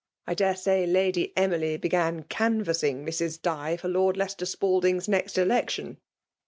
I dsae say Lady Emily began ^n imsnng Mis. Di for Lord Leieester Spalding's next election.'